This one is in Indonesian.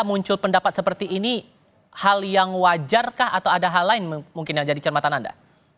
muncul pendapat seperti ini hal yang wajarkah atau ada hal lain mungkin yang jadi cermatan anda